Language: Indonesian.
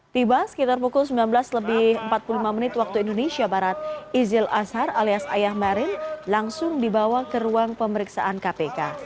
tiba sekitar pukul sembilan belas lebih empat puluh lima menit waktu indonesia barat izil azhar alias ayah merin langsung dibawa ke ruang pemeriksaan kpk